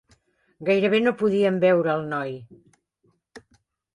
Gairebé no podien veure el noi.